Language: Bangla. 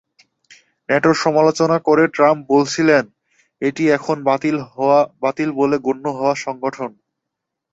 ন্যাটোর সমালোচনা করে ট্রাম্প বলেছিলেন, এটি এখন বাতিল বলে গণ্য হওয়া সংগঠন।